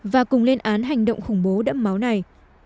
và cùng lên án hành động khủng bố đẫm máu này